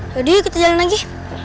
jadi kita jalan lagi